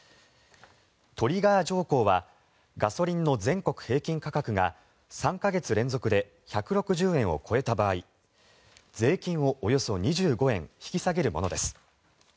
トリガー条項はガソリンの全国平均価格が３か月連続で１６０円を超えた場合税金をおよそ２５円引き下げるものです。